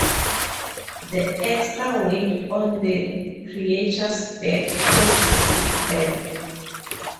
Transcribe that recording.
The extra weight on the creature's back causes its death.